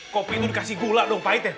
kopi itu dikasih gula dong pahit ya